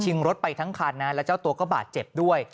รถไปทั้งคันนะแล้วเจ้าตัวก็บาดเจ็บด้วย